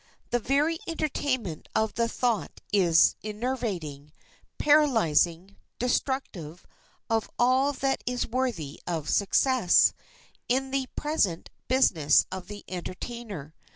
The very entertainment of the thought is enervating, paralyzing, destructive of all that is worthy of success, in the present business of the entertainer.